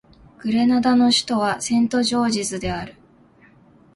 グレナダの首都はセントジョージズである